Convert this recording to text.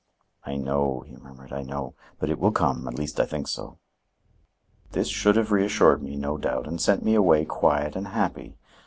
"I know," he murmured, "I know. But it will come; at least I think so." This should have reassured me, no doubt, and sent me away quiet and happy.